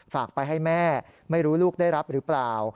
ฝากไปให้แม่ไม่รู้ลูกได้รับหรือเปล่า